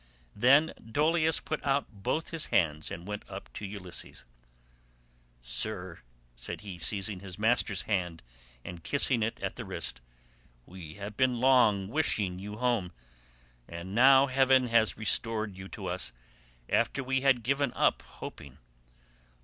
Then Dolius put out both his hands and went up to Ulysses. "Sir," said he, seizing his master's hand and kissing it at the wrist, "we have long been wishing you home: and now heaven has restored you to us after we had given up hoping.